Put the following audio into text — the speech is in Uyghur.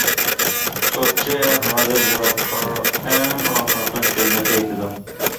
سوتچى:-ھازىر جاۋابكار ئەڭ ئاخىرقى سۆزىنى ئېيتىدۇ.